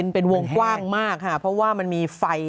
เป็นวงกว้างมากค่ะเพราะว่ามันมีไฟ